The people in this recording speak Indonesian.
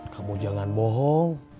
kamu jangan bohong